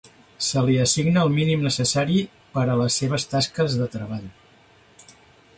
Se li assigna el mínim necessari per a les seves tasques de treball.